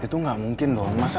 itu gak mungkin loh